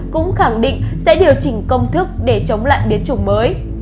cũng khẳng định sẽ điều chỉnh công thức để chống lại biến chủng mới